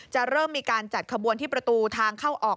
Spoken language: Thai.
เริ่มมีการจัดขบวนที่ประตูทางเข้าออก